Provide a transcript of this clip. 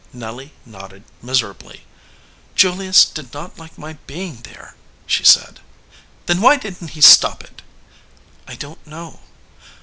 Nelly nodded miserably. "Julius did not like my being there," she said. "Then why didn t he stop it?" "I don t know."